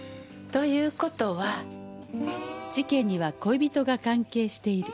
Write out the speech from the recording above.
という事は事件には恋人が関係している。